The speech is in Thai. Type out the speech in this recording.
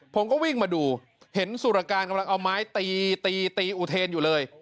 ผมก็วิ่งมาดูเห็นสุรการกำลังเอาไม้ตีตีตีอุเทนอยู่เลย